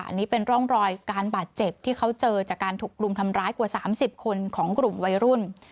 อันนี้เป็นร่องรอยการบาดเจ็บที่เขาเจอจากการถูกกลุ่มทำร้ายกว่า๓๐คนของกลุ่มวัยรุ่น